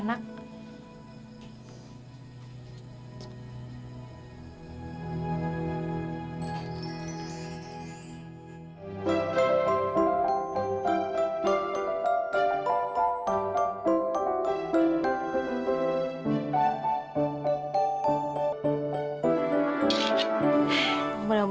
selamat mengalami kamu